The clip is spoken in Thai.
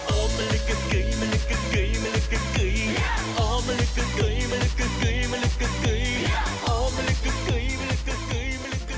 อ้าวมันก็ไก่มันก็ไก่มันก็ไก่